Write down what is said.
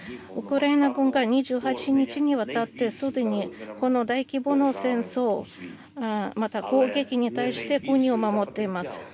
ウクライナ軍が２８日にわたって既にこの大規模な戦争、また、攻撃に対して国を守っています。